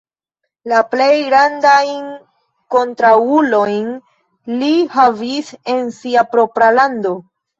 La plej grandajn kontraŭulojn li havis en sia propra lando.